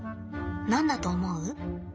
何だと思う？